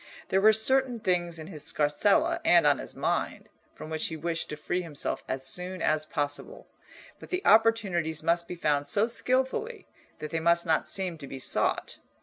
There were certain things in his scarsella and on his mind, from which he wished to free himself as soon as possible, but the opportunities must be found so skilfully that they must not seem to be sought.